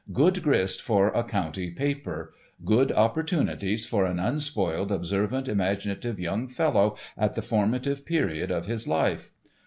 Good grist for a county paper; good opportunities for an unspoiled, observant, imaginative young fellow at the formative period of his life.